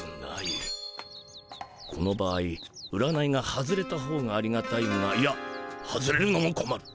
この場合占いが外れたほうがありがたいがいや外れるのもこまる。